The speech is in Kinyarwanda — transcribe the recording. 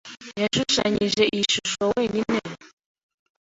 Yashushanyije iyi shusho wenyine?